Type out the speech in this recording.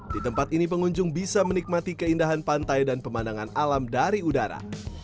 di tempat ini pengunjung bisa menikmati keindahan pantai dan pemandangan alam dari udara